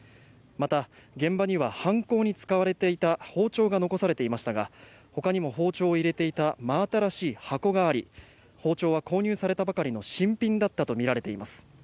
また、現場には犯行に使われていた包丁が残されていましたが他にも、包丁を入れていた真新しい箱があり包丁は購入されたばかりの新品だったとみられています。